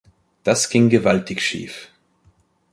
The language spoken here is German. Das ging gewaltig schief.